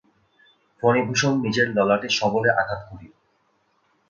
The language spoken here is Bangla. ফণিভূষণ নিজের ললাটে সবলে আঘাত করিল।